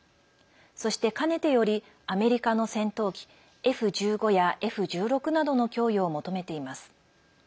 そして、かねてよりアメリカの戦闘機Ｆ１５やＦ１６などの供与を求めています。